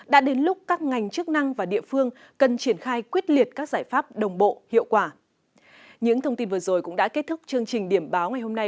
đã đến lúc các ngành chức năng và địa phương cần triển khai quyết liệt các giải pháp đồng bộ hiệu quả